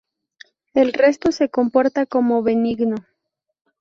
El resto se comporta como benigno.